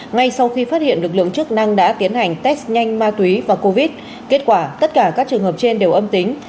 ngay sau khi phát hiện lực lượng chức năng đã tiến hành test nhanh ma túy và covid kết quả tất cả các trường hợp trên đều âm tính